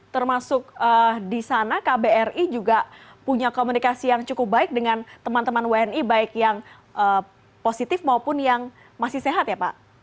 termasuk di sana kbri juga punya komunikasi yang cukup baik dengan teman teman wni baik yang positif maupun yang masih sehat ya pak